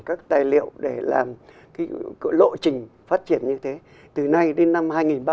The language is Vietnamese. các tài liệu để làm lộ trình phát triển như thế từ nay đến năm hai nghìn ba mươi